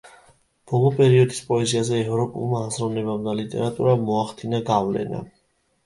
ბოლო პერიოდის პოეზიაზე ევროპულმა აზროვნებამ და ლიტერატურამ მოახდინა გავლენა.